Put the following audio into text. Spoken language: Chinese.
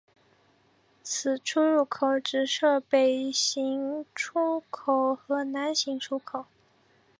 此出入口只设北行出口与南行入口。